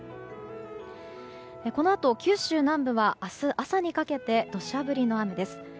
このあと九州南部は明日朝にかけて土砂降りの雨です。